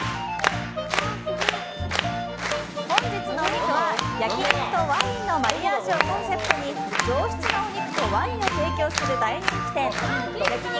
本日のお肉は、焼き肉とワインのマリアージュをコンセプトに上質なお肉とワインを提供する大人気店焼肉